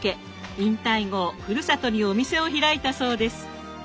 引退後ふるさとにお店を開いたそうです。